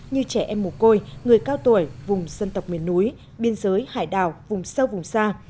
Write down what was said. như trẻ em mù côi người cao tuổi vùng dân tộc miền núi biên giới hải đảo vùng sâu vùng xa